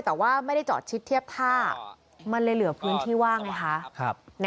แต่ว่าไม่ได้จอดชิดเทียบท่ามันเลยเหลือพื้นที่ว่างไงคะ